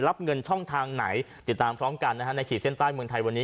รับเงินช่องทางไหนติดตามพร้อมกันนะฮะในขีดเส้นใต้เมืองไทยวันนี้